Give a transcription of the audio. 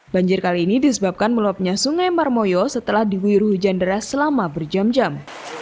banjir kali ini disebabkan meluapnya sungai marmoyo setelah diwiru hujan deras selama berjam jam